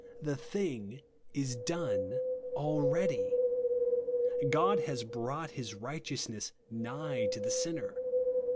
The thing is done already, God has brought his righteous ness nigh to the sinner.